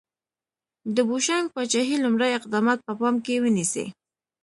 د بوشنګ پاچاهۍ لومړي اقدامات په پام کې ونیسئ.